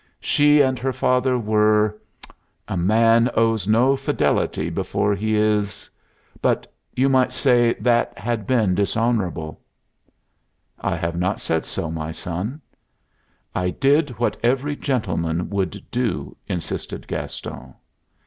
She and her father were a man owes no fidelity before he is but you might say that had been dishonorable." "I have not said so, my son." "I did what every gentleman would do." insisted Gaston.